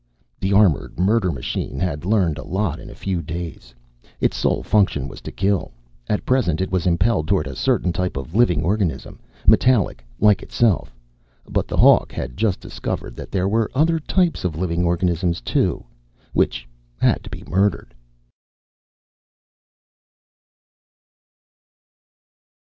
The armored murder machine had learned a lot in a few days. Its sole function was to kill. At present it was impelled toward a certain type of living organism, metallic like itself. But the Hawk had just discovered that there were other types of living organisms, too Which had to be murdered.